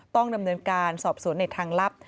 ต้องดำเนินการสอบสวนในทางลับ